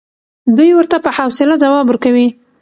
دی ورته په حوصله ځواب ورکوي.